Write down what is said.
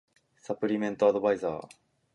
サプリメントアドバイザー